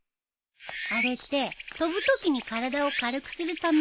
あれって飛ぶときに体を軽くするためらしいよ。